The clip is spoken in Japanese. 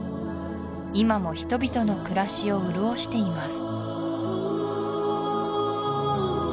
今も人々の暮らしを潤しています